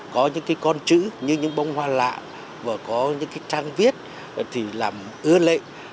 có những con chữ như những bông hoa lạ và có những trang viết làm ưa lệ